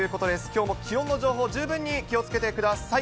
きょうも気温の情報、十分に気をつけてください。